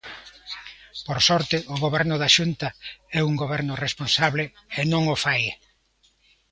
Por sorte, o Goberno da Xunta é un goberno responsable e non o fai.